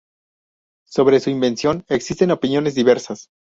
Sobre su invención existen opiniones diversas.